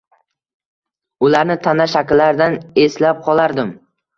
Ularni tana shakllaridan eslab qolardim